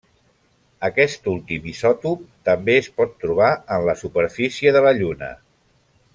Aquest últim isòtop també es pot trobar en la superfície de la Lluna.